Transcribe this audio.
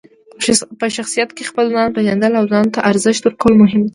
په شخصیت کې خپل ځان پېژندل او ځان ته ارزښت ورکول مهم دي.